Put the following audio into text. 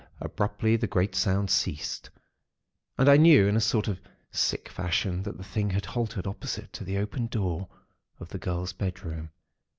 Abruptly the great sounds ceased, and I knew in a sort of sick fashion that the thing had halted opposite to the open door of the girl's bedroom.